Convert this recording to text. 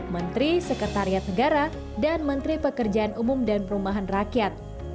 menteri sekretariat negara dan menteri pekerjaan umum dan perumahan rakyat